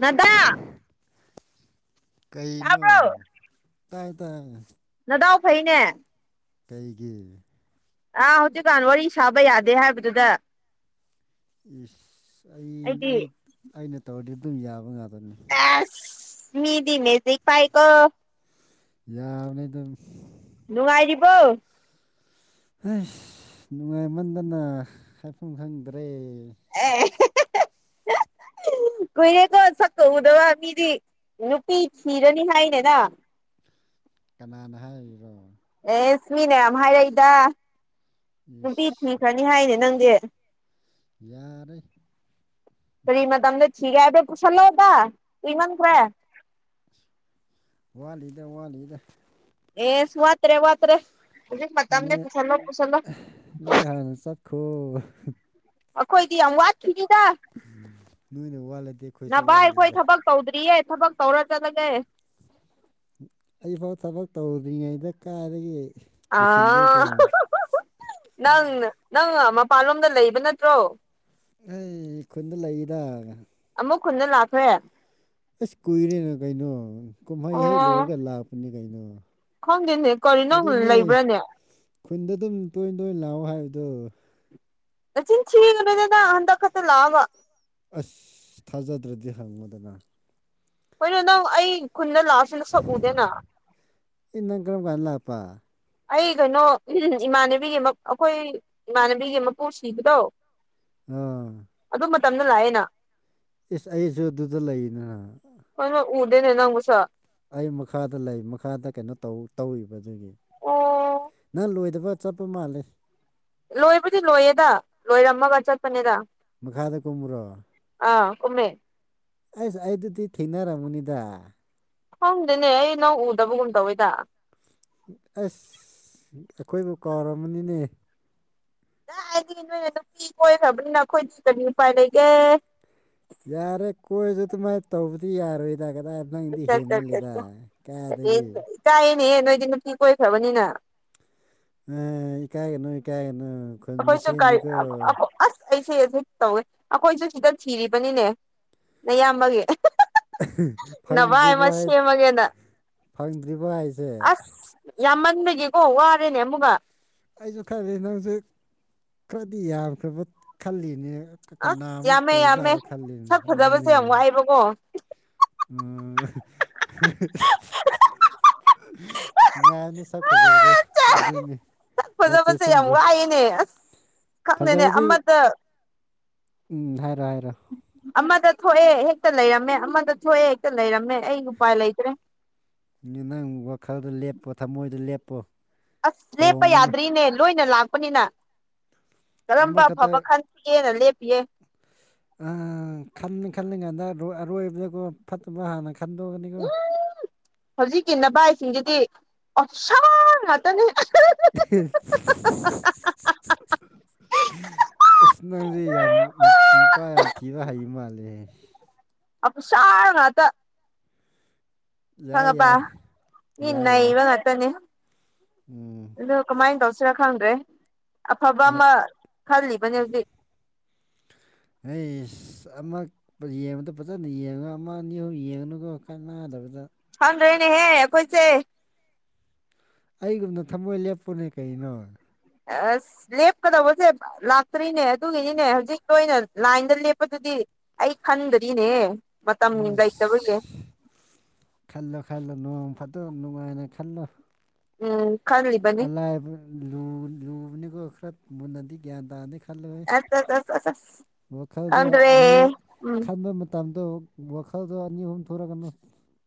ꯗꯥꯗꯥ ꯀꯩꯅꯣ ꯇꯥꯕ꯭ꯔꯣ ꯇꯥꯏ ꯇꯥꯏꯌꯦ ꯅꯗꯥꯎ ꯐꯩꯅꯦ ꯀꯩꯒꯤ ꯑꯥ ꯍꯧꯖꯤꯛꯀꯥꯟ ꯋꯥꯔꯤ ꯁꯥꯕ ꯌꯥꯗꯦ ꯍꯥꯏꯕꯗꯨꯗ ꯌꯦꯁ ꯑꯩ ꯑꯩꯗꯤ ꯑꯩ ꯑꯩꯅ ꯇꯧꯔꯗꯤ ꯑꯗꯨꯝ ꯌꯥꯕ ꯉꯥꯛꯗꯕꯅꯤ ꯑꯦꯁ ꯃꯤꯗꯤꯅꯦꯁꯤ ꯐꯥꯏꯀꯣ ꯌꯥꯅ ꯑꯗꯨꯝ ꯅꯨꯡꯉꯥꯏꯔꯤꯕꯣ ꯍꯁ ꯅꯨꯡꯉꯥꯏꯃꯟꯗꯅ ꯍꯥꯏꯐꯝ ꯈꯪꯗ꯭ꯔꯦ ꯍ [inaudible] ꯀꯨꯏꯔꯦꯀꯣ ꯁꯛꯀꯎꯗꯕ ꯃꯤꯗꯤ ꯅꯨꯄꯤ ꯊꯤꯔꯅꯤ ꯍꯥꯏꯅꯤꯗ ꯀꯅꯥꯅ ꯍꯥꯏꯔꯤꯔꯣ ꯑꯦꯁ ꯃꯤꯅ ꯌꯥꯝ ꯍꯥꯏꯔꯛꯏꯗ ꯅꯨꯄꯤ ꯏꯁ ꯊꯤꯈ꯭ꯔꯅꯤ ꯍꯥꯏꯅꯦ ꯅꯪꯗꯤ ꯌꯥꯔꯦ ꯀꯔꯤ ꯃꯇꯝꯗ ꯊꯤꯒꯦ ꯍꯥꯏꯕꯔ ꯄꯨꯁꯜꯂꯣꯗ ꯀꯨꯏꯃꯟꯈꯔꯦ ꯋꯥꯠꯂꯤꯗ ꯋꯥꯠꯂꯤꯗ ꯑꯦꯁ ꯋꯥꯠꯇ꯭ꯔꯦ ꯋꯥꯠꯇ꯭ꯔꯦ ꯍꯧꯖꯤꯛ ꯃꯇꯝꯅꯦ ꯅꯣꯏ ꯄꯨꯁꯜꯂꯣ ꯄꯨꯁꯜꯂꯣ ꯈꫭ ꯑꯩꯈꯣꯏꯗꯤ ꯌꯥꯝ ꯋꯥꯠꯈꯤꯅꯤꯗ ꯅꯣꯏꯅ ꯋꯥꯠꯂꯗꯤ ꯑꯩꯈꯣꯏꯁꯨ ꯅꯚꯥꯏ ꯈꯣꯏ ꯋꯥꯠꯂꯤꯗ ꯊꯕꯛ ꯇꯧꯗ꯭ꯔꯤꯌꯦ ꯊꯕꯛ ꯇꯧꯔ ꯆꯠꯂꯒꯦ ꯑꯩꯐꯥꯎ ꯊꯕꯛ ꯇꯧꯗ꯭ꯔꯤꯉꯩꯗ ꯀꯥꯏꯗꯒꯤ ꯑ ꯄꯨꯁꯤꯟꯗꯣꯏꯗꯣ ꯅꯪ ꯅꯪ ꯃꯄꯥꯟꯂꯣꯝꯗ ꯂꯩꯕ ꯅꯠꯇ꯭ꯔꯣ ꯑꯩ ꯈꯨꯟꯗ ꯂꯩꯗ ꯑꯃꯨꯛ ꯈꯨꯟꯗ ꯂꯥꯛꯈ꯭ꯔꯦ ꯑꯁ ꯀꯨꯏꯔꯦꯅ ꯀꯩꯅꯣ ꯀꯨꯝꯍꯩ ꯍꯦꯛ ꯑꯣ ꯂꯣꯏꯔꯒ ꯂꯥꯛꯄꯅꯤ ꯀꯩꯅꯣ ꯈꯪꯗꯦꯅꯦ ꯀꯥꯔꯤꯅꫭ ꯅꯪ ꯑꯗꯨꯅꯦ ꯂꯩꯕ꯭ꯔꯥꯅꯦ ꯈꯨꯟꯗ ꯑꯗꯨꯝ ꯇꯣꯏ ꯇꯣꯏꯅ ꯂꯥꯛꯑꯣ ꯍꯥꯏꯕꯗꯣ ꯅꯆꯤꯟ ꯊꯤꯒꯅꯨꯗ ꯅ ꯍꯟꯗꯛ ꯈꯛꯇꯥ ꯂꯥꯛꯑꯒ ꯑꯁ ꯊꯥꯖꯗ꯭ꯔꯗꯤ ꯍꯪꯉꯨꯗꯅ ꯍꯣꯏꯅꯦ ꯅꯪ ꯑꯩ ꯈꯨꯟꯗ ꯂꯥꯛꯑꯁꯨ ꯅꯁꯛ ꯎꯗꯦꯅ ꯏ ꯅꯪ ꯀꯔꯝ ꯀꯥꯟ ꯂꯥꯛꯄ ꯑꯩ ꯀꯩꯅꯣ ꯎꯝ ꯏꯃꯥꯟꯅꯕꯤꯒꯤ ꯑꯩꯈꯣꯏ ꯏꯃꯥꯟꯅꯕꯤꯒꯤ ꯃꯄꯨ ꯁꯤꯕꯗꯣ ꯑꯥ ꯑꯗꯨ ꯃꯇꯝꯗ ꯂꯥꯛꯑꯦꯅ ꯏꯁꯁ ꯑꯩꯁꯨ ꯑꯗꯨꯗ ꯂꯩꯅ ꯀꯩꯅꫭ ꯎꯗꯦꯅꯦ ꯅꯪ ꯃꯁꯛ ꯑꯩ ꯃꯈꯥꯗ ꯂꯩ ꯃꯈꯥꯗ ꯀꯩꯅꯣ ꯇꯧ ꯇꯧꯔꯤꯕ ꯑꯗꯨꯒꯤ ꯑꯣ ꯅꯪ ꯂꯣꯏꯗꯕ ꯆꯠꯄ ꯃꯥꯜꯂꯦ ꯂꯣꯏꯕꯨꯗꯤ ꯂꯣꯏꯌꯦꯗ ꯂꯣꯏꯔꯝꯃꯒ ꯆꯠꯄꯅꯦꯗ ꯃꯈꯥꯗ ꯀꯨꯝꯃꯨꯔꯣ ꯑꯥ ꯀꯨꯝꯃꯦ ꯑꯁ ꯑꯩꯗꯨꯗꯤ ꯊꯦꯡꯅꯔꯝꯒꯅꯤꯗ ꯈꯪꯗꯦꯅꯦ ꯑꯩ ꯅꯪ ꯎꯗꯕꯒꯨꯝ ꯇꯧꯋꯤꯗ ꯑꯁ ꯑꯩꯈꯣꯏꯕꯨ ꯀꯥꯎꯔꯝꯕꯅꯤꯅꯦ ꯅ ꯑꯩꯗꯤ ꯅꯣꯏꯅ ꯅꯨꯄꯤ ꯀꯣꯏꯈ꯭ꯔꯕꯅꯤꯅ ꯑꯩꯈꯣꯏꯗꯤ ꯀꯔꯤ ꯎꯄꯥꯏ ꯂꯩꯒꯦ ꯌꯥꯔꯦ ꯀꯣꯏꯔꯁꯨ ꯑꯗꯨꯃꯥꯏꯅ ꯇꯧꯕꯗꯤ ꯌꯥꯔꯣꯏꯗ ꯀꯗꯥꯏ ꯈꯤꯇꯪꯗꯤ ꯆꯠ ꯍꯦꯟꯃꯜꯂꯤꯗ ꯀꯌꯥꯗꯒꯤ ꯆꯥꯏꯌꯦꯅꯦꯍ ꯅꯣꯏꯗꯤ ꯅꯨꯡꯇꯤ ꯀꯣꯏꯈ꯭ꯔꯕꯅꯤꯅ ꯑꯦ ꯏꯀꯥꯏ ꯍꯅꯨ ꯏꯀꯥꯏ ꯍꯅꯨ ꯈꯣꯜ ꯑꯩꯈꯣꯏꯁꯨ ꯀꯔꯤ ꯃꯁꯤꯅꯤꯀꯣ ꯑꯁ ꯑꯩꯁꯦ ꯑꯩꯦ ꯇꯧꯋꯦ ꯑꯩꯈꯣꯏꯁꯨ ꯁꯤꯗ ꯊꯤꯔꯤꯕꯅꯤꯅꯦ ꯑꯌꯥꯝꯕꯒꯤ ꯐꯪꯗ꯭ꯔꯤꯕ ꯁꯦꯝꯃꯒꯦꯅ ꯐꯪꯗ꯭ꯔꯤꯕ ꯍꯥꯏꯁꯦ ꯌꯥꯝꯃꯟꯕꯗꯒꯤꯦꯀꯣ ꯋꯥꯔꯦꯅꯦ ꯑꯃꯨꯛꯒ ꯑꯩꯁꯨ ꯈꯂꯦ ꯅꯪꯁ ꯈꯔꯗꯤ ꯌꯥꯝꯈ꯭ꯔꯕ ꯈꯜꯂꯤꯅꯦ ꯑꯁ ꯀꯅꯥꯃꯨꯛ ꯌꯥꯝꯃꯦ ꯇꯧꯖꯥꯔ ꯈꯜꯂꯦ ꯑꯗꯨꯅꯦ ꯔꯔꯕꯣ [unintelligible] ꯎꯝ ꯅꯨꯡꯉꯥꯏꯅ ꯁꯛ ꯐꯖꯕꯗꯣ ꯑꯗꯨꯅꯤ ꯁꯛ ꯈꯔ ꯐꯖꯕꯁꯦ ꯌꯥꯝ ꯆꯦꯁꯤꯟꯖꯧ ꯋꯥꯏꯑꯦꯅꯦ ꯑꯁ ꯈꯪꯗꯦꯅꯦ ꯐꯖꯔꯗꯤ ꯑꯃꯗ ꯎꯝ ꯍꯥꯏꯔꯣ ꯍꯥꯏꯔꯣ ꯑꯃꯗ ꯊꯣꯛꯑꯦ ꯍꯦꯛꯇ ꯂꯩꯔꯝꯃꯦ ꯑꯃꯗ ꯊꯣꯛꯑꯦ ꯍꯦꯛꯇ ꯂꯩꯔꯝꯃꯦ ꯑꯩ ꯎꯄꯥꯏ ꯂꯩꯇ꯭ꯔꯦ ꯅꯪ ꯋꯥꯈꯜꯗ ꯂꯦꯞꯄꯣ ꯊꯃꯣꯏꯗ ꯂꯦꯞꯄꯣ ꯑꯁ ꯂꯦꯞꯄ ꯍꯣꯡꯉꯅꯨ ꯌꯥꯗ꯭ꯔꯤꯅꯦ ꯂꯣꯏꯅ ꯂꯥꯛꯄꯅꯤꯅ ꯀꯔꯝꯕ ꯑꯃꯈꯛꯇ ꯑꯐꯕ ꯈꯟꯈꯤꯒꯦꯅ ꯂꯦꯞꯄꯤꯌꯦꯦ ꯈꯅꯤ ꯈꯜꯂꯤ ꯀꯥꯟꯗ ꯑꯔꯣꯏꯕꯗꯀꯣ ꯐꯠꯇꯕ ꯍꯥꯟꯅ ꯈꯗꯅꯤꯒ ꯍꯧꯖꯤꯛꯀꯤ ꯅꯚꯁꯤꯡꯁꯤꯗꯤ ꯑꯣꯞꯁꯥꯡ ꯉꯥꯛꯇꯅꯤ ꯎ ꯑꯁ ꯅꯪꯁꯦ ꯌꯥꯝ ꯅꯨꯄꯥ ꯌꯥꯝ ꯊꯤꯔ ꯍꯩ ꯃꯥꯜꯂꯦ ꯑ ꯆꯥꯔ ꯉꯇ ꯌꯥꯏ ꯈꯪꯉꯄ ꯌꯥꯏ ꯃꯤ ꯌꯥꯏ ꯌꯥꯏ ꯅꯩꯕ ꯉꯥꯛꯇꯅꯦ ꯎꯝ ꯑꯗꯨ ꯀꯃꯥꯏꯅ ꯇꯧꯁꯤꯔꯥ ꯈꯪꯗ꯭ꯔꯦ ꯑꯐꯕ ꯑꯃ ꯈꯜꯂꯤꯕꯅꯦ ꯍꯧꯖꯤꯛ ꯑꯩ ꯑꯃꯛ ꯌꯦꯡꯕꯗ ꯐꯖꯅ ꯌꯦꯡꯉꯒ ꯑꯃ ꯑꯅꯤ ꯑꯍꯨꯝ ꯌꯦꯡꯉꯅꯨꯒ ꯈꯥꯏ ꯅꯥꯗꯕꯗ ꯍ ꯔꯣꯏꯅꯦꯍꯦ ꯀꯣꯏꯁꯦ ꯑꯩꯒꯨꯝꯅ ꯊꯃꯣꯏ ꯂꯦꯞꯄꯨꯅꯦ ꯀꯩꯅꯣ ꯑꯁ ꯂꯦꯞꯀꯗꯧꯕꯁꯦ ꯂꯥꯛꯇ꯭ꯔꯤꯅꯦ ꯑꯗꯨꯒꯤꯅꯤꯅꯦ ꯍꯧꯖꯤꯛꯀꯤ ꯑꯣꯏꯅ ꯂꯥꯏꯟꯗ ꯂꯦꯞꯄꯗꯨꯗꯤ ꯑꯩ ꯈꯟꯗꯔꯤꯅꯦ ꯃꯇꯝ ꯑꯁ ꯂꯩꯇꯕꯒꯤ ꯈꯜꯂꯣ ꯈꯜꯂꯣ ꯅꯅꯨꯡꯉꯡꯝ ꯐꯠꯇꯣ ꯅꯨꯡꯉꯥꯏꯅ ꯈꯜꯂꯣ ꯎꯝ ꯈꯜꯂꯤꯕꯅꯤ ꯑꯂꯥꯏꯕ ꯂꯨꯕꯅꯤꯒ ꯈꯔ ꯃꯨꯟꯅꯗꯤ ꯒ꯭ꯌꯥꯟ ꯇꯥꯅꯤ ꯈ ꯈꯜꯂꯣꯏ ꯑꯁ ꯑꯁ ꯑꯁ ꯑꯁ ꯑꯁ ꯋꯥꯈꯜꯗꯣ ꯈꯪꯗ꯭ꯔꯦ ꯑꯅꯤꯨꯛ ꯎꯝ ꯈꯟꯕ ꯃꯇꯝꯗꯣ ꯋꯥꯈꯜꯗꯣ ꯑꯅꯤ ꯑꯍꯨꯝ ꯊꯣꯛꯣꯔꯛꯀꯅꯨ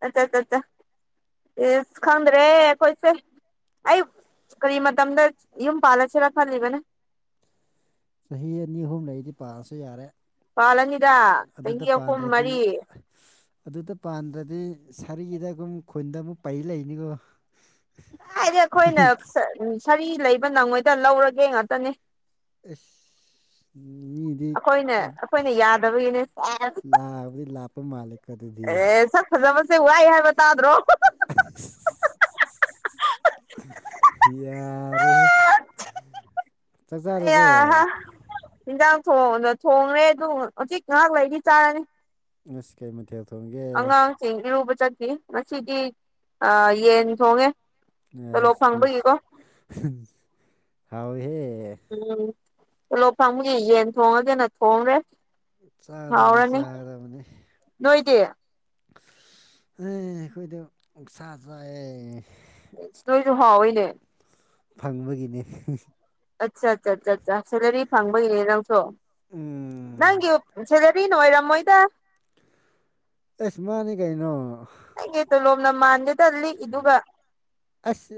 ꯑꯆꯥ ꯑꯆꯥꯆꯥ ꯏꯁ ꯈꯗ꯭ꯔꯦꯣꯏꯁꯦ ꯑꯩ ꯀꯔꯤ ꯃꯇꯝꯗ ꯌꯨꯝ ꯄꯥꯜꯂꯁꯤꯔꯥ ꯈꯜꯂꯤꯕꯅꯦ ꯆꯍꯤ ꯑꯅꯤ ꯑꯍꯨꯝ ꯂꯩꯗꯤ ꯄꯥꯁꯨ ꯌꯥꯔꯦ ꯄꯥꯜꯂꯅꯤꯗ ꯑꯗꯨꯗ ꯆꯍꯤ ꯑꯍꯨꯝ ꯄꯥꯟꯗ꯭ꯔꯗꯤ ꯃꯔꯤ ꯑꯗꯨꯗ ꯄꯥꯟꯗ꯭ꯔꯗꯤ ꯁꯥꯔꯤꯗ ꯑꯗꯨꯝ ꯈꯨꯟꯗ ꯑꯃꯨꯛ ꯄꯩ ꯂꯩꯅꯤꯀꯣ ꯍꯥꯏꯗꯤ ꯑꯩꯈꯣꯏꯅ ꯁꯔꯤ ꯂꯩꯕ ꯅꯪꯉꯣꯏꯗ ꯂꯧꯔꯒꯦ ꯉꯥꯛꯇꯅꯤ ꯑꯦ ꯃꯤꯗꯤ ꯑꯩꯈꯣꯏꯅ ꯑꯩꯈꯣꯏꯅ ꯌꯥꯗꯕꯒꯤꯅꯦ ꯂꯥꯛꯕꯗꯤ ꯂꯥꯛꯄ ꯃꯥꯜꯂꯦꯀꯣ ꯑꯗꯨꯗꯤ ꯑꯦ ꯐꯖꯕꯁꯦ ꯋꯥꯏ ꯍꯥꯏꯕ ꯇꯥꯗ꯭ꯔꯣ ꯌꯥꯔꯦ ꯆꯠ ꯆꯨꯔꯕꯣ ꯍꯟꯖꯥꯡ ꯊꯣꯡꯗꯣ ꯊꯣꯡꯉꯦ ꯑꯗꯨ ꯍꯧꯖꯤꯛ ꯉꯥꯏꯍꯥꯛ ꯂꯩꯗꯤ ꯆꯥꯔꯅꯤ ꯉꯁꯤ ꯀꯩ ꯃꯊꯦꯜ ꯊꯣꯡꯒꯦ ꯆꯁꯤꯡ ꯏꯔꯨꯕ ꯆꯠꯈꯤ ꯉꯁꯤꯗꯤ ꯌꯦꯟ ꯊꯣꯡꯉꯦ ꯇꯣꯂꯣꯞ ꯑ ꯐꯪꯕꯒꯤꯀꯣ ꯈꯥꯎꯍꯦ ꯎꯝꯂꯣꯛꯐꯝꯪꯒꯤ ꯌꯦꯟ ꯊꯣꯡꯉꯒꯦꯅ ꯊꯣꯡꯈ꯭ꯔꯦ ꯆꯥꯗꯅꯤ ꯆꯥꯗꯅꯤ ꯅꯣꯏꯗꯦ ꯑꯦ ꯑꯩꯈꯣꯏꯗ ꯎ ꯁꯥ ꯆꯦ ꯅꯣꯏꯁꯨ ꯍꯥꯎꯑꯣꯏꯅꯦ ꯐꯪꯕꯒꯤꯅꯦ ꯑꯠꯆꯥ ꯑꯠꯆꯥꯠꯠ ꯁꯦꯂꯔꯤ ꯐꯪꯕꯒꯤꯔꯦ ꯅꯪꯁꯨꯣ ꯅꯪ ꯎꯝ ꯌꯁꯤꯂꯔꯤ ꯅꯣꯏꯔꯝ ꯃꯣꯏꯗ ꯑꯦꯁ ꯃꯥꯅꯤ ꯀꯩꯅꯣ ꯑꯩꯒꯤ ꯇꯣꯂꯣꯝꯅ ꯃꯥꯟꯗꯦꯗ ꯂꯤꯛꯏꯗꯨꯒ ꯑꯁ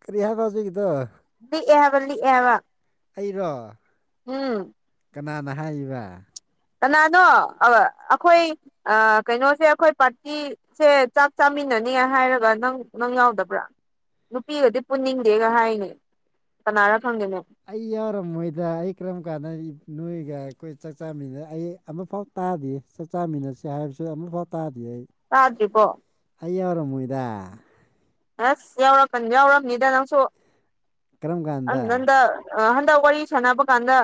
ꯀꯔꯤ ꯍꯥꯏꯕ ꯍꯧꯖꯤꯛꯒꯤꯗꯣ ꯂꯤꯦꯕ ꯂꯤꯦꯕ ꯑꯩꯔꯣ ꯎꯝ ꯀꯅꯥꯅ ꯍꯥꯏꯔꯤꯕ ꯀꯅꯥꯅꯣ ꯑꯩꯈꯣꯏ ꯀꯩꯅꯣꯁꯦ ꯑꯩꯈꯣꯏ ꯄꯥꯔꯇꯤ ꯁꯦ ꯆꯥꯛ ꯆꯥꯃꯤꯟꯅꯅꯤ ꯍꯥꯏꯔꯒ ꯅꯪ ꯅꯪ ꯌꯥꯎꯗꯕ꯭ꯔꯥ ꯅꯨꯄꯤꯒꯗꯤ ꯄꯨꯟꯅꯤꯡꯗꯦꯒ ꯍꯥꯏꯅꯦ ꯀꯅꯥꯔ ꯈꯪꯗꯦꯅꯣ ꯑꯩ ꯌꯥꯎꯔꯝꯃꯣꯏꯗ ꯑꯩ ꯀꯔꯝ ꯀꯥꯟꯗ ꯅꯣꯏꯒ ꯑꯩꯈꯣꯏ ꯆꯥꯛ ꯆꯥꯃꯤꯅ ꯑꯩ ꯑꯃꯐꯥꯎ ꯇꯥꯗꯦ ꯆꯥꯛ ꯆꯥꯃꯤꯟꯅꯁꯤ ꯍꯥꯏꯕꯁꯨ ꯑꯃꯨꯛꯐꯥꯎ ꯇꯥꯗꯦ ꯑꯩ ꯁꯥꯥꯇꯗꯤ ꯄꯣ ꯍꯌꯦ ꯌꯥꯧꯔꯣ ꯃꯨꯣꯏꯗ ꯑꯁ ꯌꯥꯎꯔꯛꯀꯅꯤ ꯌꯥꯎꯔꯝꯅꯤꯗ ꯅꯪꯁꯨ ꯀꯔꯝ ꯑ ꯀꯥꯟꯗ ꯅꯪꯗ ꯑ ꯍꯟꯗꯛ ꯋꯥꯔꯤ ꯁꯥꯟꯅꯕ ꯀꯥꯟꯗ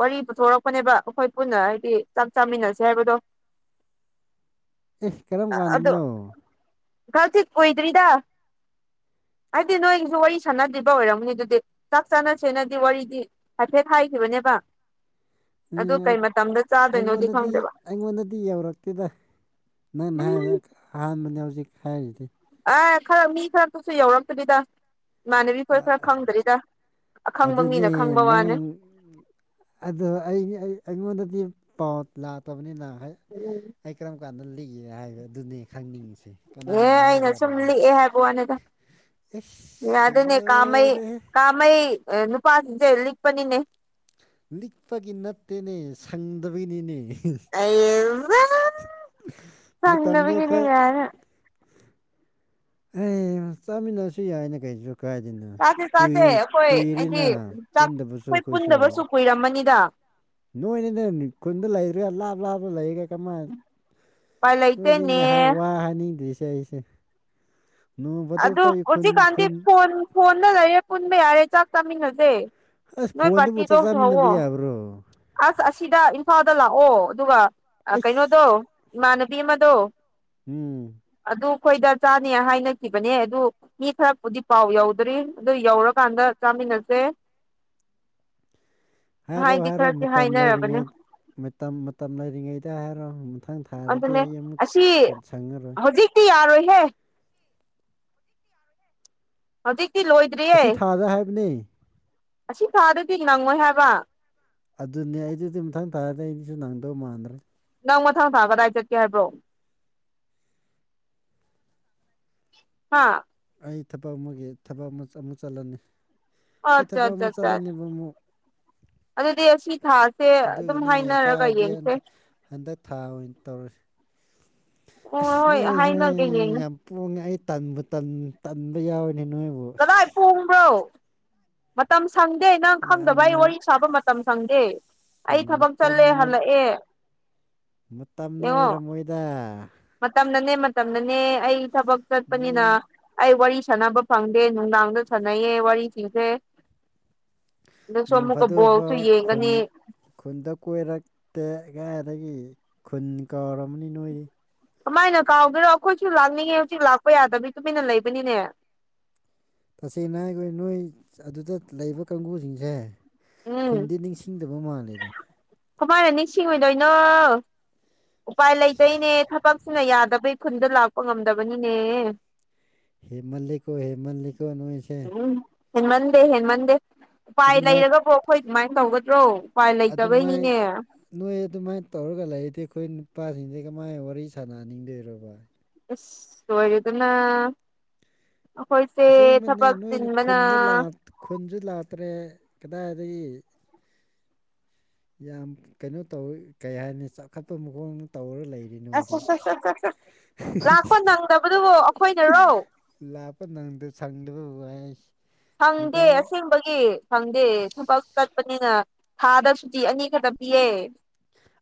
ꯋꯥꯔꯤ ꯄꯨꯊꯣꯔꯛꯄꯅꯦꯕ ꯑꯩꯈꯣꯏ ꯄꯨꯟꯅ ꯍꯥꯏꯗꯤ ꯆꯥꯛ ꯆꯥꯃꯤꯟꯅꯁꯦ ꯍꯥꯏꯕꯗꯣ ꯑꯦ ꯀꯔꯝ ꯀꯥꯟꯗꯅꯣ ꯜꯁꯤ ꯀꯣꯏꯗ꯭ꯔꯤꯗ ꯍꯥꯏꯗꯤ ꯅꯣꯏꯒꯤꯁꯨ ꯋꯥꯔꯤ ꯁꯥꯟꯅꯗ꯭ꯔꯤꯕ ꯑꯣꯏꯔꯝꯅꯤ ꯑꯗꯨꯗꯤ ꯆꯥꯛ ꯆꯥꯅꯁꯦꯅꯗꯤ ꯋꯥꯔꯤꯗꯤ ꯍꯥꯏꯐꯦꯠ ꯍꯥꯏꯈꯤꯕꯅꯦꯕ ꯑꯗꯨ ꯎꯝ ꯀꯩ ꯃꯇꯝꯗ ꯆꯥꯗꯣꯏꯅꯣꯗꯤ ꯑꯩꯉꯣꯟꯗꯗꯤ ꯈꯪꯗꯦꯕ ꯑꯩꯉꯣꯟꯗꯗꯤ ꯌꯧꯔꯛꯇꯦꯗ ꯅꯪꯅ ꯎꯝ ꯍꯥꯏꯕꯗ ꯑꯍꯥꯟꯕꯅꯦ ꯍꯧꯖꯤꯛ ꯍꯥꯏꯔꯤꯗꯤ ꯑꯦ ꯈꯔ ꯃꯤ ꯈꯔꯗꯨꯨꯁꯨ ꯌꯧꯔꯛꯇꯕꯤꯗ ꯏꯃꯥꯟꯅꯕꯤ ꯈꯔ ꯈꯔ ꯈꯪꯗ꯭ꯔꯤꯗ ꯑꯈꯪꯕ ꯃꯤꯅ ꯑꯗꯨꯗꯤ ꯈꯪꯕ ꯋꯥꯅꯤ ꯅꯪ ꯑꯗꯣ ꯑꯩ ꯑꯩꯉꯣꯟꯗꯗꯤ ꯄꯥꯎ ꯂꯥꯛꯇꯕꯅꯤꯅꯍ ꯍꯥꯏ ꯎꯝ ꯑꯩ ꯀꯔꯝ ꯀꯥꯟꯗ ꯂꯤꯒꯦ ꯍꯥꯏꯕ ꯑꯗꯨꯅꯦ ꯈꯪꯅꯤꯡꯉꯤꯁꯦ ꯑꯦ ꯀꯅꯥꯅ ꯑꯩꯅ ꯁꯨꯝ ꯍꯥꯏꯖꯔꯕ ꯂꯤꯛꯑꯦ ꯍꯥꯏꯕ ꯋꯥꯅꯤꯗ ꯑꯦꯁ ꯌꯥ ꯁꯤ ꯑꯗꯨꯅꯦ ꯀꯥꯃꯩ ꯂꯣꯏꯔꯦꯍꯦ ꯀꯥꯃꯩ ꯅꯨꯄꯥꯁꯤꯡꯁꯦ ꯂꯤꯛꯄꯅꯤꯅꯦ ꯂꯤꯛꯄꯒꯤ ꯅꯠꯇꯦꯅꯦ ꯁꯪꯗꯕꯒꯤꯅꯤꯅꯦ ꯑ ꯃꯇꯝꯗꯣ ꯆꯕꯒꯅꯤ ꯈꯔ ꯌꯥꯦ ꯑꯦ ꯆꯥꯃꯤꯟꯅꯔꯁꯨ ꯌꯥꯏꯅꯦ ꯀꯩꯁꯨ ꯀꯥꯏꯗꯅꯣ ꯆꯥꯁꯦ ꯆꯥꯁꯦ ꯀꯨꯏ ꯑꯩꯈꯣꯏ ꯍꯥꯏꯗꯤ ꯀꯨꯏꯔꯦꯅ ꯆꯥꯛ ꯄꯨꯟꯗꯕꯁꯨ ꯑꯩꯈꯣꯏ ꯑꯩꯈꯣꯏꯁꯨ ꯄꯨꯟꯗꯕꯁꯨ ꯀꯨꯏꯔꯝꯃꯅꯤꯗ ꯅꯣꯏꯅꯦꯅꯦ ꯈꯨꯟꯗ ꯂꯩꯔꯦ ꯂꯥꯞ ꯂꯥꯞ ꯂꯩꯔꯦ ꯀꯃꯥꯏ ꯎꯄꯥꯏ ꯂꯩꯇꯦꯅꯦ ꯅꯣꯏꯅꯤꯅꯦ ꯋꯥ ꯍꯥꯏꯅꯤꯡꯗ꯭ꯣꯏꯁꯦ ꯑꯩꯁꯦ ꯅꯣꯡ ꯐꯥꯗꯣꯛ ꯑꯗꯨ ꯐꯥꯎ ꯈꯨꯟ ꯎꯆꯛꯀꯥꯟꯗꯤ ꯈꯨꯟ ꯐꯣꯟ ꯐꯣꯟꯗ ꯂꯩꯔꯦ ꯄꯨꯟꯕ ꯌꯥꯔꯦ ꯆꯥꯛ ꯆꯥꯃꯤꯟꯅꯁꯦ ꯑꯁ ꯅꯣꯏ ꯐꯣꯟꯗꯨꯕꯨ ꯄꯥꯔꯇꯤꯗꯣ ꯆꯥꯛ ꯆꯥꯃꯤꯟꯅꯕ ꯍꯧꯋꯣ ꯌꯥꯕ꯭ꯔꯣ ꯑꯁ ꯑꯁꯤꯗ ꯏꯝꯐꯥꯜꯗ ꯂꯥꯛꯑꯣ ꯑꯗꯨꯒ ꯀꯩꯅꯣꯗꯣ ꯑꯁ ꯏꯃꯥꯟꯅꯕꯤ ꯑꯃꯗꯣ ꯎꯝ ꯑꯗꯨ ꯑꯩꯈꯣꯏꯗ ꯆꯥꯅꯤ ꯍꯥꯏꯅ ꯈꯤꯕꯅꯦ ꯑꯗꯨ ꯃꯤ ꯈꯔꯕꯨꯗꯤ ꯄꯥꯎ ꯌꯧꯗ꯭ꯔꯤ ꯑꯗꯨ ꯌꯧꯔꯀꯥꯟꯗ ꯆꯥꯃꯤꯟꯅꯁꯦ ꯍꯥꯏꯔꯣ ꯍꯥꯏꯗꯤ ꯍꯥꯏꯔꯣ ꯈꯔꯗꯤ ꯃꯇꯝ ꯍꯥꯏꯅꯔꯕꯅꯦ ꯂꯩꯔꯤꯉꯩ ꯃꯇꯝ ꯃꯇꯝ ꯂꯩꯔꯤꯉꯩꯗ ꯍꯥꯏꯔꯣ ꯃꯊꯪ ꯊꯥꯗꯗꯤ ꯑꯗꯨꯅꯦ ꯑꯩ ꯑꯃꯨꯛ ꯀꯩ ꯁꯪꯉꯔꯣꯏ ꯇꯤ ꯌꯥꯔꯣꯏꯍꯦ ꯍꯧꯖꯤꯛꯇꯤ ꯂꯣꯏ ꯑꯁꯤ ꯊꯥꯗ ꯍꯥꯏꯕꯅꯦ ꯑꯁꯤ ꯊꯥꯗꯗꯤ ꯅꯪꯉꯣꯏ ꯍꯥꯏꯕ ꯑꯗꯨꯅꯦ ꯑꯩ ꯑꯗꯨꯗꯤ ꯃꯊꯪ ꯊꯥꯔꯗꯤ ꯑꯩꯗꯤꯁꯨ ꯅꯪꯗꯕ ꯃꯥꯟꯗ꯭ꯔꯦ ꯅꯪ ꯃꯊꯪ ꯊꯥ ꯀꯗꯥꯏ ꯆꯠꯀꯦ ꯍꯥꯏꯕ꯭ꯔꯣ ꯍꯥꯥ ꯑꯩ ꯊꯕꯛ ꯑꯃꯒꯤ ꯊꯕꯛ ꯑꯃ ꯑꯃꯨꯛ ꯆꯠꯂꯅꯤ ꯑꯩ ꯑꯠꯆꯥ ꯊꯕꯛ ꯑꯃꯨ ꯑꯠꯆꯥ ꯑꯠꯆꯥ ꯆꯠꯍꯅꯤꯕ ꯑꯃꯨꯛ ꯑꯗꯨꯗꯤ ꯑꯁꯤ ꯊꯥꯁꯦ ꯑꯗꯨꯝ ꯑꯗꯨꯒꯤꯅꯦ ꯍꯥꯏꯅꯔꯒ ꯆꯥꯔꯗꯤ ꯌꯦꯡꯁꯦ ꯍꯟꯗꯛ ꯍꯟꯗꯛ ꯊꯥ ꯑꯣꯏꯅ ꯇꯧꯔꯁꯤ ꯑꯁ ꯍꯣꯏ ꯍꯣꯏ ꯅꯣꯏꯁꯦ ꯍꯥꯏꯅꯒꯦ ꯌꯦꯡꯉꯦ ꯌꯥꯝ ꯄꯣꯡꯉꯦ ꯑꯩ ꯇꯟꯕꯨ ꯇꯟ ꯇꯟꯕ ꯌꯥꯎꯋꯅꯦ ꯅꯣꯏꯕꯨ ꯑꯁ ꯀꯗꯥꯏ ꯄꯣꯡꯕ꯭ꯔꯣ ꯃꯇꯝ ꯁꯪꯗꯦ ꯅꯪ ꯈꯪꯗꯕ ꯌꯥꯝꯅ ꯑꯩ ꯋꯥꯔꯤ ꯁꯥꯕ ꯃꯇꯝ ꯁꯪꯗꯦ ꯎꯝ, ꯑꯩ ꯊꯕꯛ ꯆꯠꯂꯦ ꯃꯇꯝꯅ ꯍꯜꯂꯛꯑꯦ ꯃꯇꯝꯅ ꯌꯦꯡꯉꯣ ꯑꯣꯏꯔꯝꯃꯣꯏꯗ ꯃꯇꯝꯅꯅꯦ ꯃꯇꯝꯅꯅꯦ ꯑꯩ ꯊꯕꯛ ꯆꯠꯄꯅꯤꯅ ꯅꯣꯡ ꯑꯩ ꯋꯥꯔꯤ ꯁꯥꯟꯅꯕ ꯐꯪꯗꯦ ꯅꯨꯡꯗꯥꯡꯗ ꯁꯥꯟꯅꯩꯌꯦ ꯋꯥꯔꯤ ꯊꯤꯡꯁꯦ ꯅꯣꯡ ꯐꯥꯗꯣꯐꯥ ꯈꯨꯟ ꯌꯦꯡꯒꯅꯤ ꯈꯨꯟꯗ ꯀꯣꯏꯔꯛꯇꯦ ꯀꯗꯥꯏꯗꯒꯤ ꯈꯨꯟ ꯀꯥꯎꯔꯝꯃꯅꯤ ꯅꯣꯏꯗꯤ ꯀꯃꯥꯏꯅ ꯀꯥꯎꯒꯦꯔꯣ ꯑꯩꯈꯣꯏꯁꯨ ꯂꯥꯛꯅꯤꯡꯉꯦ ꯍꯧꯖꯤꯛ ꯂꯥꯛꯄ ꯌꯥꯗꯕꯩ ꯇꯨꯃꯤꯟꯅ ꯂꯩꯕꯅꯤꯅꯦ ꯇꯁꯦꯡꯅ ꯍꯥꯏ ꯑꯩꯈꯣꯏ ꯅꯣꯏ ꯑꯗꯨꯗ ꯂꯩꯕ ꯀꯥꯡꯒꯨꯖꯤꯡꯖꯦ ꯎꯝ ꯈꯨꯟꯗꯤ ꯅꯤꯡꯁꯤꯡꯗꯕ ꯃꯥꯜꯂꯦꯗ ꯀꯃꯥꯏꯅ ꯅꯤꯡꯁꯤꯡꯉꯣꯏꯗꯣꯏꯅꯣ ꯎꯄꯥꯏ ꯂꯩꯇꯣꯏꯅꯦ ꯊꯕꯛ ꯁꯤꯅ ꯌꯥꯗꯕꯩ ꯈꯨꯟꯗ ꯂꯥꯛꯄ ꯉꯝꯗꯕꯅꯤꯅꯦ ꯍꯦꯃꯜꯂꯦꯀꯣ ꯍꯦꯃꯜꯂꯤꯀꯣ ꯅꯣꯏꯁꯦ ꯎꯝ ꯍꯦꯟꯃꯟꯗꯦ ꯍꯦꯟꯃꯟꯗꯦ ꯎꯄꯥꯏ ꯑꯗꯨꯃꯥꯏ ꯂꯩꯔꯒꯕꯨ ꯑꯩꯈꯣꯏ ꯑꯗꯨꯃꯥꯏꯅ ꯇꯧꯒꯗ꯭ꯔꯣ ꯎꯄꯥꯏ ꯑꯗꯨ ꯃꯥꯏ ꯂꯩꯇꯕꯩꯅꯤꯅꯦ ꯅꯣꯏ ꯑꯗꯨꯃꯥꯏꯅ ꯇꯧꯔꯒ ꯂꯩꯗꯤ ꯑꯩꯈꯣꯏ ꯅꯨꯄꯥꯁꯤꯡꯁꯤ ꯀꯃꯥꯏꯅ ꯋꯥꯔꯤ ꯁꯥꯟꯅꯍꯟꯅꯤꯡꯗꯣꯏꯔꯣꯕꯥ ꯑꯁ ꯂꯣꯏꯔꯦꯗꯅ ꯑꯩꯈꯣꯏꯁꯦ ꯊꯕꯛ ꯆꯤꯟꯕꯅ ꯈꯨꯟꯖꯨ ꯂꯥꯛꯇ꯭ꯔꯦ ꯀꯗꯥꯏꯗꯒꯤ ꯌꯥꯝ ꯀꯩꯅꯣ ꯇꯧꯋꯤ ꯀꯩ ꯍꯥꯏꯅꯤ ꯆꯥꯎꯈꯠꯄ ꯃꯈꯣꯡꯗ ꯇꯧꯔꯒ ꯂꯩ ꯗꯤ ꯑꯁ ꯅꯣꯏꯗꯤ ꯑꯁ ꯑꯁ ꯑꯁ ꯑꯁ ꯑꯁ ꯂꯥꯛꯄ ꯅꯪꯗꯕꯗꯨꯕꯨ ꯑꯩꯈꯣꯏꯅꯔꯣ ꯂꯥꯞꯄ ꯅꯪꯗ ꯁꯪꯗꯕ ꯋꯥꯏꯁ ꯐꯪꯗꯦ ꯑꯁꯦꯡꯕꯒꯤ ꯐꯪꯗꯦ ꯊꯕꯛ ꯆꯠꯄꯅꯤꯅ ꯊꯥꯗ ꯁꯨꯇꯤ ꯑꯅꯤ ꯈꯇ ꯄꯤꯌꯦ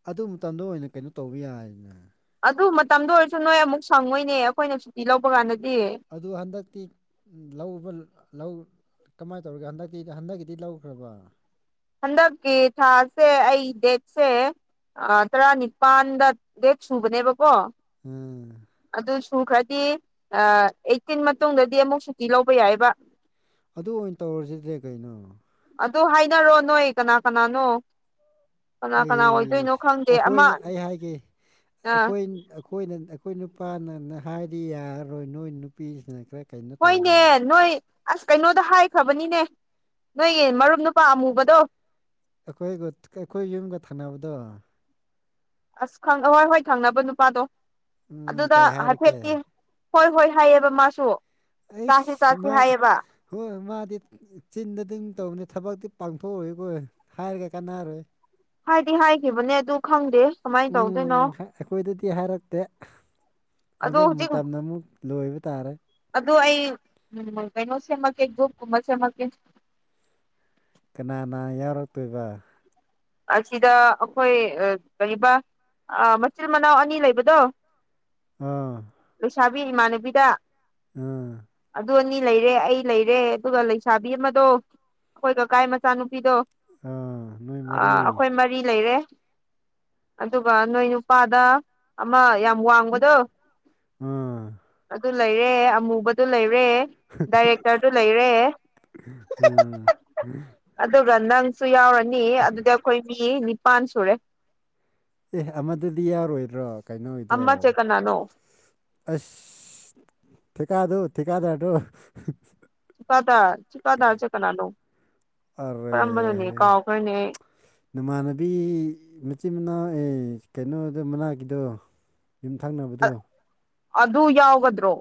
ꯑꯗꯨ ꯃꯇꯝꯗ ꯑꯣꯏꯅ ꯀꯩꯅꯣ ꯇꯧꯕ ꯌꯥꯏꯅ ꯑꯗꯨ ꯃꯇꯝꯗ ꯑꯣꯏꯔꯁꯨ ꯅꯣꯏ ꯑꯃꯨꯛ ꯁꯪꯉꯣꯏꯅꯦ ꯑꯩꯈꯣꯏꯅ ꯁꯨꯇꯤ ꯂꯧꯕ ꯀꯥꯟꯗꯗꯤ ꯑꯗꯨ ꯍꯟꯗꯛꯇꯤ ꯂꯧꯕ ꯂꯧ ꯀꯃꯥꯏ ꯇꯧꯔꯒꯦ ꯍꯟꯗꯛꯀꯤ ꯍꯟꯗꯛꯀꯤꯗꯤ ꯂꯧꯈ꯭ꯔꯕ ꯍꯟꯗꯛꯀꯤ ꯊꯥꯁꯦ ꯑꯩ ꯗꯦꯠꯁꯦ ꯑ ꯇꯔꯥꯅꯤꯄꯥꯥꯟꯗ ꯗꯦꯠ ꯁꯨꯕꯅꯦꯕꯀꯣ ꯎꯝ ꯑꯗꯨ ꯁꯨꯈ꯭ꯔꯗꯤ ꯑꯩꯠꯇꯤꯟ ꯃꯇꯨꯡꯗꯗꯤ ꯑꯃꯨꯛ ꯁꯨꯇꯤ ꯂꯧꯕ ꯌꯥꯏꯕ ꯑꯗꯨ ꯑꯣꯏꯅ ꯇꯧꯔꯁꯤꯗ ꯀꯩꯅꯣ ꯑꯗꯨ ꯍꯥꯏꯅꯔꯣ ꯅꯣꯏ ꯀꯅꯥ ꯀꯅꯥꯅꯣ ꯀꯅꯥ ꯀꯅꯥ ꯑꯩ ꯑꯣꯏꯗꯣꯏꯅꯣ ꯈꯪꯗꯦ ꯑꯩꯈꯣꯏ ꯑꯃ ꯑꯩ ꯍꯥꯏꯒꯦ ꯑ ꯑꯩꯈꯣꯏ ꯑꯩꯈꯣꯏꯅ ꯑꯩꯈꯣꯏ ꯅꯨꯄꯥꯅ ꯍꯥꯏꯗꯤ ꯌꯥꯔꯔꯣꯏ ꯅꯣꯏ ꯅꯨꯄꯤꯁꯤꯅ ꯈꯔ ꯀꯩꯅꯣ ꯇꯧꯔꯣ ꯍꯣꯏꯅꯦ ꯅꯣꯏ ꯑꯁ ꯀꯩꯅꯣꯗ ꯍꯥꯏꯈ꯭ꯔꯕꯅꯤꯅꯦ ꯅꯣꯏꯒꯤ ꯃꯔꯨꯞ ꯅꯨꯄꯥ ꯑꯃꯨꯕꯗꯣ ꯑꯩꯈꯣꯏ ꯑꯩꯈꯣꯏ ꯌꯨꯝꯒ ꯊꯥꯟꯅꯕꯗꯣ ꯑꯁ ꯍꯣꯏ ꯍꯣꯏ ꯊꯪꯅꯕ ꯅꯨꯄꯥꯗꯣ ꯎꯝ ꯑꯗꯨꯗ ꯀꯩ ꯍꯥꯏꯔꯛꯀꯦ ꯍꯥꯏꯐꯦꯠꯀꯤ ꯍꯣꯏ ꯍꯣꯏ ꯍꯥꯏꯌꯦꯕ ꯃꯥꯁꯨ ꯆꯥꯁꯤ ꯑꯩꯁ ꯆꯥꯁꯤ ꯃꯥ ꯍꯥꯏꯌꯦꯕ ꯍꯣꯏ ꯃꯥꯗꯤ ꯆꯤꯟꯗ ꯑꯗꯨꯝ ꯇꯧꯕꯅꯤ ꯊꯕꯛꯇꯤ ꯄꯥꯡꯊꯣꯛꯎꯏꯀꯣꯏ ꯍꯥꯏꯔꯒ ꯀꯥꯟꯅꯔꯣꯏ ꯍꯥꯏꯗꯤ ꯍꯥꯏꯈꯤꯕꯅꯦ ꯑꯗꯨ ꯈꯪꯗꯦ ꯀꯃꯥꯏꯅ ꯎꯝ ꯇꯧꯗꯣꯏꯅꯣ ꯈ ꯑꯩꯈꯣꯏꯗꯗꯤ ꯍꯥꯏꯔꯛꯇꯦ ꯑꯗꯣ ꯑꯗꯨ ꯃꯇꯝꯗ ꯑꯃꯨꯛ ꯂꯣꯏꯕ ꯇꯥꯔꯦ ꯑꯗꯨ ꯑꯩ ꯎꯝ ꯀꯩꯅꯣ ꯁꯦꯝꯃꯛꯀꯦ ꯒ꯭ꯔꯨꯞꯀꯨꯝꯕ ꯁꯦꯝꯃꯛꯀꯦ ꯀꯅꯥꯅ ꯌꯥꯎꯔꯛꯇꯣꯏꯕ ꯑꯁꯤꯗ ꯑꯩꯈꯣꯏ ꯑ ꯀꯔꯤꯕꯥ ꯑꯥ ꯃꯆꯤꯜ ꯃꯅꯥꯎ ꯑꯅꯤ ꯂꯩꯕꯗꯣ ꯑꯥ ꯂꯩꯁꯥꯕꯤ ꯏꯃꯥꯟꯅꯕꯤꯗ ꯎꯝ ꯑꯗꯨ ꯑꯅꯤ ꯂꯩꯔꯦ ꯑꯩ ꯂꯩꯔꯦ ꯑꯗꯨꯒ ꯂꯩꯁꯥꯕꯤ ꯑꯃꯗꯣ ꯑꯩꯈꯣꯏ ꯀꯀꯥꯏ ꯃꯆꯥꯅꯨꯄꯤꯗꯣ ꯑꯪ ꯑꯩꯈꯣꯏ ꯃꯔꯤ ꯂꯩꯔꯦ ꯑꯗꯨꯒ ꯅꯣꯏ ꯅꯨꯄꯥꯗ ꯑꯃ ꯌꯥꯝ ꯋꯥꯡꯕꯗꯣ ꯑꯥ ꯑꯗꯨ ꯂꯩꯔꯦ ꯑꯃꯨꯕ ꯑꯘꯨ ꯂꯩꯔꯦ ꯗꯥꯏꯔꯦꯛꯇꯔꯗꯨ ꯂꯩꯔꯦ ꯎꯝ [unintelligible] ꯑꯗꯨꯒ ꯅꯪꯁꯨ ꯌꯥꯎꯔꯅꯤ ꯑꯗꯨꯗꯤ ꯑꯩꯈꯣꯏ ꯃꯤ ꯅꯤꯄꯥꯟ ꯁꯨꯔꯦ ꯑꯦ ꯑꯃꯗꯨꯗꯤ ꯌꯥꯔꯣꯏꯗ꯭ꯔꯣ ꯀꯩꯅꯣꯗꯣ ꯑꯃꯁꯦ ꯀꯅꯥꯅꯣ ꯑꯁ ꯊꯤꯀꯥꯗꯨ ꯊꯤꯀꯥꯘ꯭ꯔꯘꯨ ꯆꯤꯀꯥꯗꯥꯔ ꯆꯤꯀꯥꯗꯥꯔꯁꯦ ꯀꯅꯥꯅꯣ ꯀꯔꯝꯕꯅꯣꯅꯦ ꯀꯥꯎꯈ꯭ꯔꯦꯅꯦ ꯅꯃꯥꯟꯅꯕꯤ ꯃꯆꯤꯟ ꯃꯅꯥꯎ ꯑꯦ ꯀꯩꯅꯣꯗ ꯃꯅꯥꯛꯀꯤꯗꯣ ꯌꯨꯝꯊꯪꯅꯕꯗꯣ ꯑꯗꯨ ꯑꯗꯨ ꯌꯥꯎꯒꯗ꯭ꯔꯣ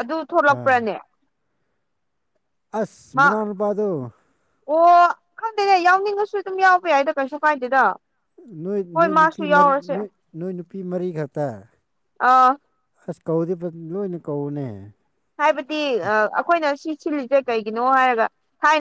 ꯑꯗꯨ ꯑꯥ ꯊꯣꯛꯂꯛꯄ꯭ꯔꯅꯦ ꯑꯁ ꯃꯥ ꯃꯅꯧ ꯅꯨ ꯄꯥꯗꯣ ꯑꯣ ꯈꯪꯗꯦꯅꯦ ꯌꯥꯎꯅꯤꯡꯉꯁꯨ ꯑꯗꯨꯝ ꯌꯥꯎꯕ ꯌꯥꯏꯗꯣ ꯀꯩꯁꯨ ꯀꯥꯏꯗꯦꯗ ꯅꯣꯏ ꯍꯣꯏ ꯅꯣꯏ ꯅꯨꯄꯤ ꯃꯥꯁꯨ ꯃꯔꯤ ꯌꯥꯎꯔꯁꯦ ꯅꯣꯏ ꯅꯨꯄꯤ ꯃꯔꯤꯈꯛꯇ ꯑ ꯑꯁ ꯀꯧꯘꯤ ꯂꯣꯏꯅ ꯀꯧꯅꯦ ꯍꯥꯏꯕꯗꯤ ꯑꯩꯈꯣꯏꯅ ꯁꯤ ꯁꯤꯜꯂꯤꯁꯦ ꯀꯩꯒꯤꯅꯣ ꯍꯥꯏꯔꯒ ꯊꯥꯏꯅ